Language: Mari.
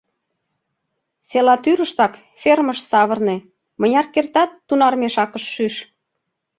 Села тӱрыштак фермыш савырне, мыняр кертат, тунар мешакыш шӱш.